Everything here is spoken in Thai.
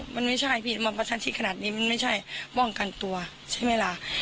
มันไม่ใช่พี่มาประชันชิดขนาดนี้มันไม่ใช่ป้องกันตัวใช่ไหมล่ะ